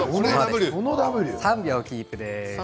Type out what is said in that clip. ３秒キープです。